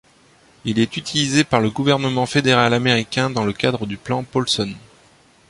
Il est utilisé par le gouvernement fédéral américain dans le cadre du Plan Paulson.